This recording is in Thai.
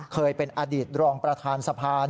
เคยเป็นอดีตรองประธานสภา